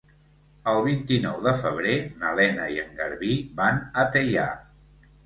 El vint-i-nou de febrer na Lena i en Garbí van a Teià.